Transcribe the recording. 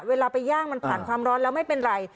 เวลาไปย่างมันผ่านความร้อนแล้วไม่เป็นไร